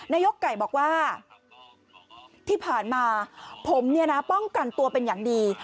นายกไก่บอกว่าที่ผ่านมาผมเนี่ยนะป้องกันตัวเป็นอย่างดี